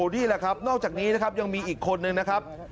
นี่แหละครับนอกจากนี้นะครับยังมีอีกคนนึงนะครับ